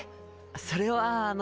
それはあの。